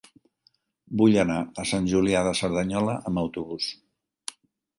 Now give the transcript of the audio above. Vull anar a Sant Julià de Cerdanyola amb autobús.